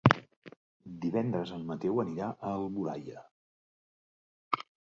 Divendres en Mateu anirà a Alboraia.